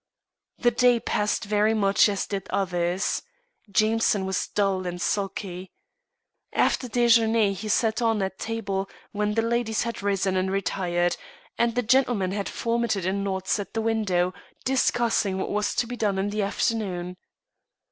The day passed very much as did others Jameson was dull and sulky. After déjeuner he sat on at table when the ladies had risen and retired, and the gentlemen had formed in knots at the window, discussing what was to be done in the afternoon.